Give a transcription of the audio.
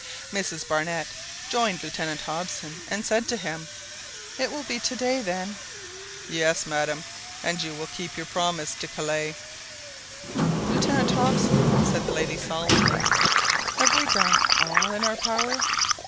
Mrs Barnett joined Lieutenant Hobson, and said to him— "It will be to day then!" "Yes, madam, and you will keep your promise to Kellet!" "Lieutenant Hobson," said the lady solemnly, "have we done all in our power!"